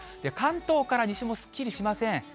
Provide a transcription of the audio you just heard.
関東から西もすっきりしません。